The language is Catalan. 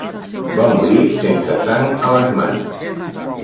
Va morir sense sang a les mans.